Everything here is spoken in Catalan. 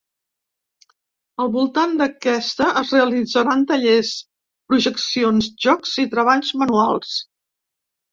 Al voltant d’aquesta es realitzaran tallers, projeccions, jocs i treballs manuals.